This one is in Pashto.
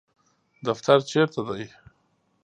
دفتر چیرته دی؟